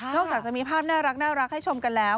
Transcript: จากจะมีภาพน่ารักให้ชมกันแล้ว